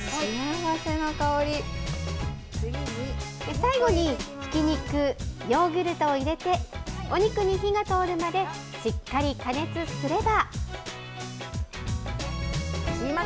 最後にひき肉、ヨーグルトを入れて、お肉に火が通るまでしっかり加熱すれば。